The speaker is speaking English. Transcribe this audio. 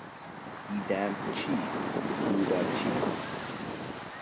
Edam cheese and Gouda cheese.